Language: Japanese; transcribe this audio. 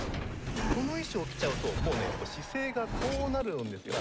この衣装を着ちゃうともうね姿勢がこうなるんですよね。